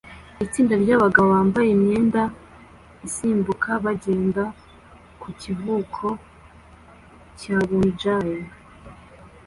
Itsinda ryabagabo bambaye imyenda isimbuka bagenda ku kivuko cya Bumi Jaya